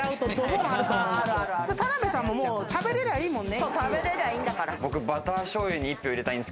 田辺さんも食べられればいいもんね。